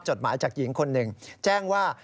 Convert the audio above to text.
จดหมายจากหญิงคนหนึ่งแจ้งว่า